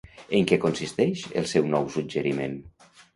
En què consisteix el seu nou suggeriment?